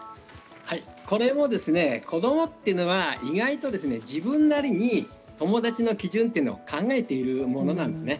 これもですね子どもというのは意外と自分なりに友達の基準というのを考えているものなんですね。